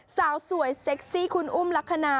สาวสวยเซ็กซี่คุณอุ้มลักษณะ